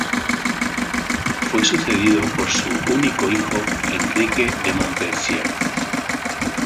Fue sucedido por su único hijo Enrique de Montpensier.